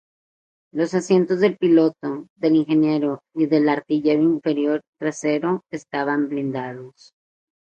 Los asientos del piloto, del ingeniero y del artillero inferior trasero estaban blindados.